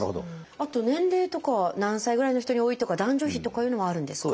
あと年齢とかは何歳ぐらいの人に多いとか男女比とかいうのもあるんですか？